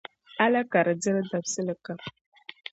A la ka di diri dabisili kam?